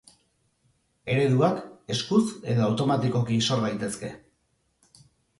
Ereduak eskuz edo automatikoki sor daitezke.